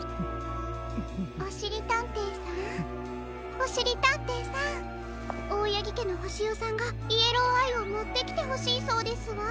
おしりたんていさんオオヤギけのホシヨさんがイエローアイをもってきてほしいそうですわ。